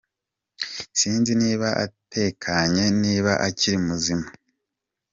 "Sinzi niba atekanye, niba akiri muzima.